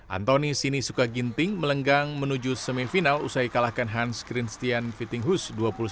antoni sini sukaginting melenggang menuju semifinal usai kalahkan hans christian vittinghus dua puluh satu tujuh belas dua satu sembilan